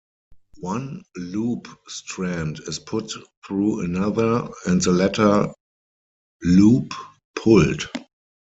One loop strand is put through another and the latter loop pulled.